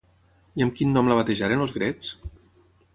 I amb quin nom la batejaren els grecs?